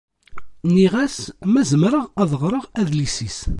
Nniɣ-as ma zemreɣ ad ɣreɣ adlis-is.